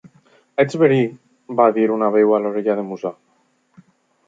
"Ets verí!", va dir una veu a l'orella de Musa.